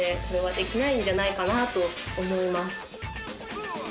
これはできないんじゃないかなと思います